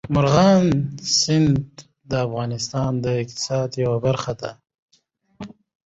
مورغاب سیند د افغانستان د اقتصاد یوه برخه ده.